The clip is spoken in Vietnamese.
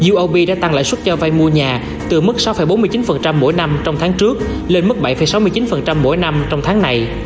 ub đã tăng lãi suất cho vay mua nhà từ mức sáu bốn mươi chín mỗi năm trong tháng trước lên mức bảy sáu mươi chín mỗi năm trong tháng này